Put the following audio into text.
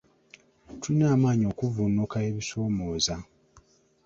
Tulina amaanyi okuvvuunuka ebisoomooza.